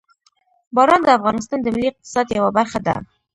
باران د افغانستان د ملي اقتصاد یوه برخه ده.